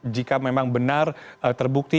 jika memang benar terbukti